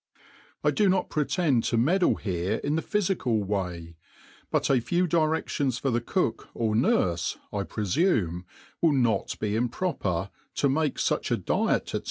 i do not pretend to meddle he^ in tht phyfical Way ; but a few Diredion^ for the Cook, or Nurfe, I prefume, will not be improper^ to make fach a Diet, &c.